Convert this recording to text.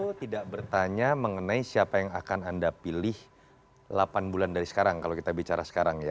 beliau tidak bertanya mengenai siapa yang akan anda pilih delapan bulan dari sekarang kalau kita bicara sekarang ya